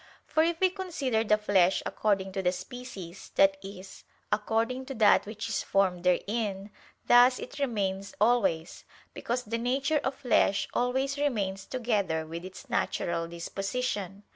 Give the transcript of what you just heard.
For if we consider the flesh according to the species, that is, according to that which is formed therein, thus it remains always: because the nature of flesh always remains together with its natural disposition.